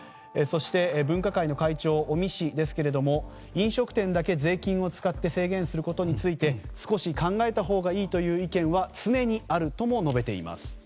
そして分科会の会長の尾身氏ですが飲食店だけ税金を使って制限をすることについて少し考えたほうがいいという意見は常にあるとも述べています。